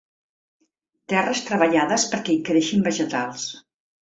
Terres treballades perquè hi creixin vegetals.